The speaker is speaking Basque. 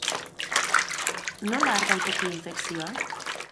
Nola har daiteke infekzioa?